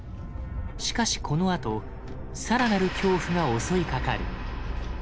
しかしこのあとさらなる恐怖が襲いかかる。